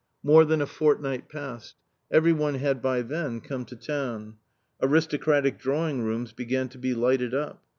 More than a fortnight passed. Every one had by then come to town. Aristocratic drawing rooms began to be lighted up.